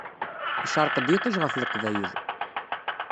Yecreq-d yiṭij ɣef leqbayel.